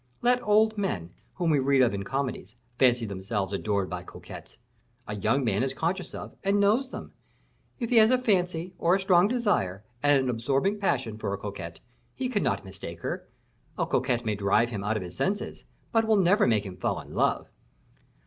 Let old men, whom we read of in comedies, fancy themselves adored by coquettes. A young man is conscious of, and knows them; if he has a fancy, or a strong desire, and an absorbing passion, for a coquette, he cannot mistake her; a coquette may drive him out of his senses, but will never make him fall in love.